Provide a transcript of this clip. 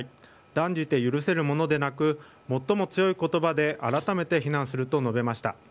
断じて許せるものでなく最も強い言葉であらためて非難すると述べました。